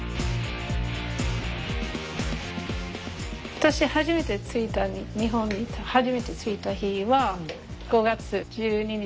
私初めて着いた日本に初めて着いた日は５月１２日。